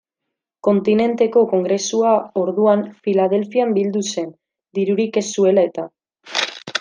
Kontinenteko Kongresua, orduan, Filadelfian bildu zen, dirurik ez zuela eta.